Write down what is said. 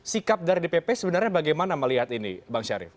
sikap dari dpp sebenarnya bagaimana melihat ini bang syarif